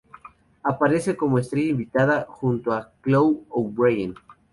Aparece como estrella invitada junto a Chloe O'Brian.